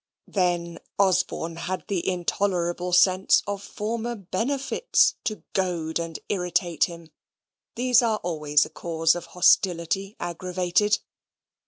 Then Osborne had the intolerable sense of former benefits to goad and irritate him: these are always a cause of hostility aggravated.